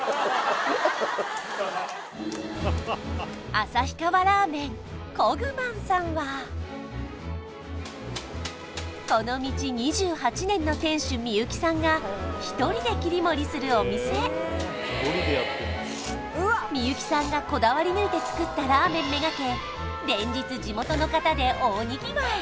旭川ラーメンこぐまんさんはこの道２８年の店主美幸さんが１人で切り盛りするお店美幸さんがこだわり抜いて作ったラーメン目がけ